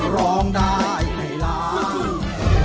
ร้องได้ให้รัก